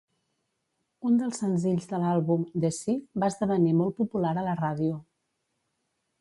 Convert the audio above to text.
Un dels senzills de l'àlbum, "The Sea", va esdevenir molt popular a la ràdio.